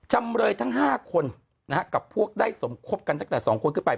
จำเลยทั้ง๕คนกับพวกได้สมคบกันตั้งแต่๒คนขึ้นไป